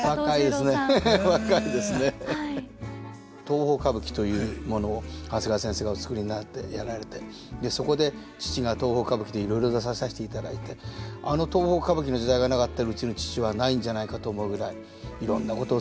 東宝歌舞伎というものを長谷川先生がお作りになってやられてそこで父が東宝歌舞伎でいろいろ出ささしていただいてあの東宝歌舞伎の時代がなかったらうちの父はないんじゃないかと思うぐらいいろんなこと